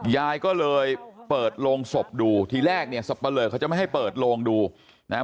ยายก็เลยเปิดโรงศพดูทีแรกเนี่ยสับปะเลอเขาจะไม่ให้เปิดโลงดูนะฮะ